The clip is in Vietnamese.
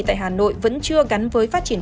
tại hà nội vẫn chưa gắn với phát triển